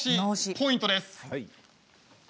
ポイントです。